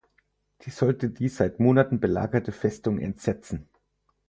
Sie sollte die seit Monaten belagerte Festung entsetzen.